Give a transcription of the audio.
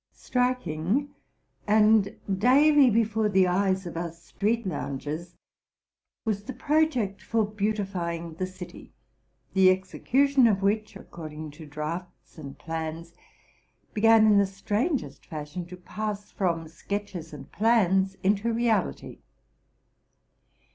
Striking, and daily before the eyes of us street loungers, was the project for beautifying the city; the execution of which according to draughts and plans, began in the stran gest fashion to. pass from sketches and plans into reality.